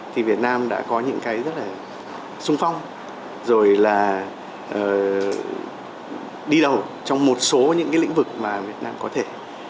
thì việt nam đã có những cái rất là sung phong rồi là đi đầu trong một số những cái lĩnh vực mà việt nam có thể